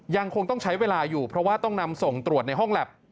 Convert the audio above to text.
ยังคงต้องใช้เวลาอยู่เพราะว่าต้องนำส่งตรวจในห้องแล็บ